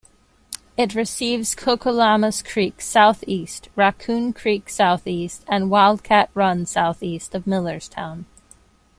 It receives Cocolamus Creek southeast, Raccoon Creek southeast, and Wildcat Run southeast of Millerstown.